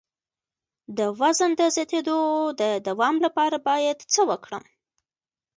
د وزن د زیاتیدو د دوام لپاره باید څه وکړم؟